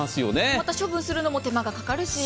また処分するのも手間がかかるし。